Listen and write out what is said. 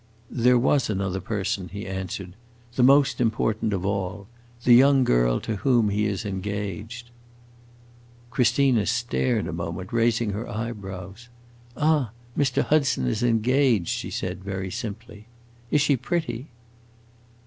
"There was another person," he answered, "the most important of all: the young girl to whom he is engaged." Christina stared a moment, raising her eyebrows. "Ah, Mr. Hudson is engaged?" she said, very simply. "Is she pretty?"